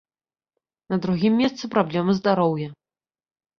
На другім месцы праблема здароўя.